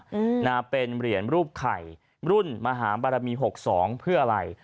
อืมนะฮะเป็นเหรียญรูปไข่รุ่นมหาบารมีหกสองเพื่ออะไร